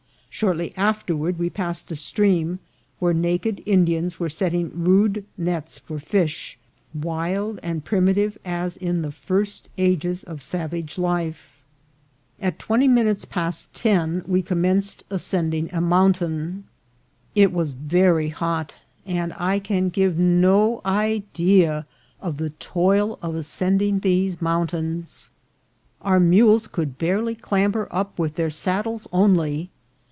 Shortly afterward we passed a stream, where naked Indians were set ting rude nets for fish, wild and primitive as in the first ages of savage life. At twenty minutes past ten we commenced ascending VOL. II.— MM 274 INCIDENTS OF TRAVEL. the mountain. It was very hot, and I can give no idea of the toil of ascending these mountains. Our mules could barely clamber up with their saddles only.